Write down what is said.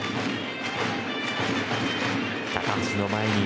高橋の前に